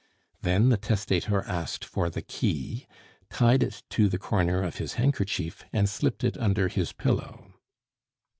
Then the testator asked for the key, tied it to the corner of his handkerchief, and slipped it under his pillow.